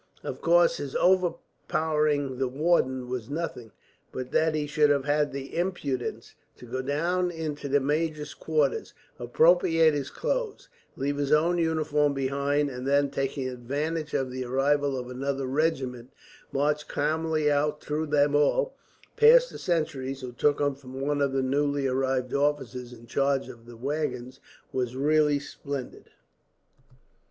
Of course, his overpowering the warder was nothing; but that he should have had the impudence to go down into the major's quarters, appropriate his clothes, leave his own uniform behind him; and then, taking advantage of the arrival of another regiment, march calmly out through them all, pass the sentries who took him for one of the newly arrived officers in charge of the waggons was really splendid!